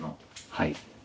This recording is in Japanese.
はい。